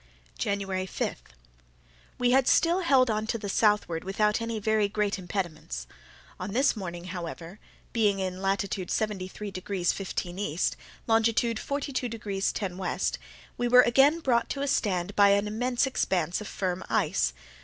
January 5.—We had still held on to the southward without any very great impediments. On this morning, however, being in latitude 73 degrees 15' E., longitude 42 degrees 10' W, we were again brought to a stand by an immense expanse of firm ice.